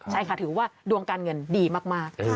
ใช่ค่ะถือว่าดวงการเงินดีมาก